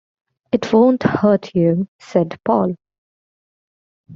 “It won’t hurt you,” said Paul.